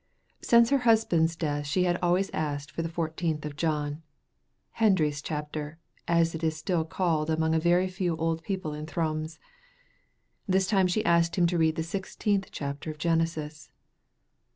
Since her husband's death she had always asked for the fourteenth of John, "Hendry's chapter," as it is still called among a very few old people in Thrums. This time she asked him to read the sixteenth chapter of Genesis.